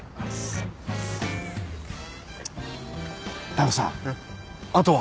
田口さんあとは？